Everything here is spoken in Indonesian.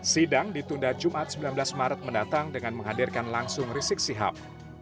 sidang ditunda jumat sembilan belas maret mendatang dengan menghadirkan langsung rizik sihab